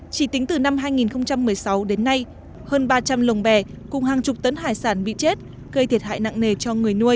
chỉ tính từ năm hai nghìn một mươi sáu đến nay hơn ba trăm linh lồng bè cùng hàng chục tấn hải sản bị chết gây thiệt hại nặng nề cho người nuôi